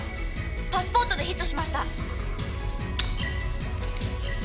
パスポートでヒットしました。